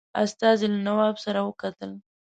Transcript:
استازي له نواب سره وکتل.